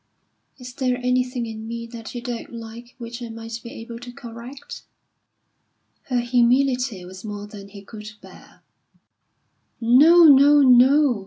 "Is there anything in me that you don't like which I might be able to correct?" Her humility was more than he could bear. "No, no, no!"